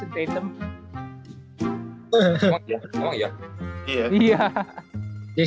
ini kan nyuruh aja